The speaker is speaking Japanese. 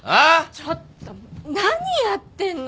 ちょっと何やってんの！